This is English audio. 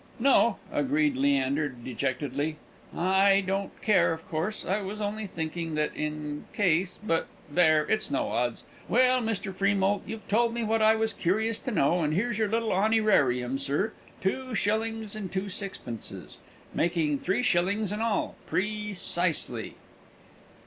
"No," agreed Leander, dejectedly. "I don't care, of course. I was only thinking that, in case but there, it's no odds! Well, Mr. Freemoult, you've told me what I was curious to know, and here's your little honnyrarium, sir two shillings and two sixpences, making three shillings in all, pre cisely."